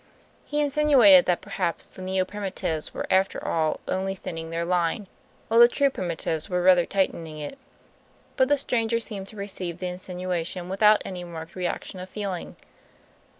He insinuated that perhaps the Neo Primitives were after all only thinning their line, while the true Primitives were rather tightening it; but the stranger seemed to receive the insinuation without any marked reaction of feeling.